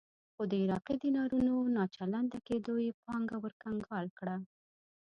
خو د عراقي دینارونو ناچله کېدو یې پانګه ورکنګال کړه.